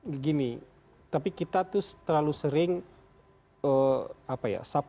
begini tapi kita tuh terlalu sering sapu rata soal politik identitas itu mas hasan